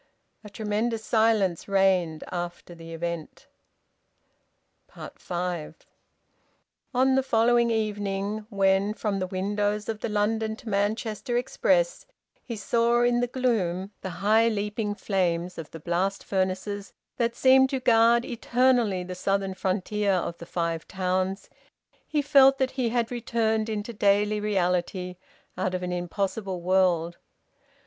A tremendous silence reigned after the event. FIVE. On the following evening, when from the windows of the London to Manchester express he saw in the gloom the high leaping flames of the blast furnaces that seem to guard eternally the southern frontier of the Five Towns, he felt that he had returned into daily reality out of an impossible world.